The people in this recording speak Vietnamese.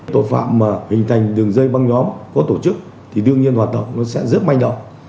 tội phạm mà hình thành đường dây băng nhóm có tổ chức thì đương nhiên hoạt động nó sẽ rất manh động